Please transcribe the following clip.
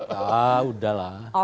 ya sudah lah